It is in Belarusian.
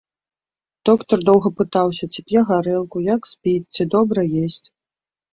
Доктар доўга пытаўся, ці п'е гарэлку, як спіць, ці добра есць.